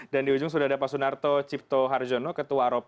dan di ujung sudah ada pak sunarto cipto harjono ketua rop